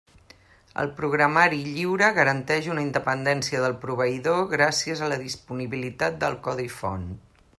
El programari lliure garanteix una independència del proveïdor gràcies a la disponibilitat del codi font.